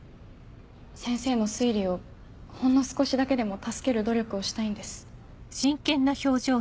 先生の推理をほんの少しだけでも助ける努力をしたいんです。